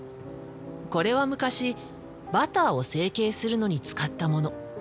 これは昔バターを成型するのに使ったもの。